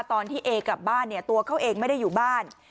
ตอนที่เอกลับบ้านเนี่ยตัวเขาเองไม่ได้อยู่บ้าน